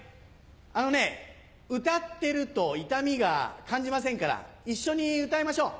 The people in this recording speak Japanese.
あのね歌ってると痛みが感じませんから一緒に歌いましょう。